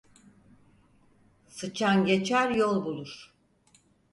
Sıçan geçer yol bulur.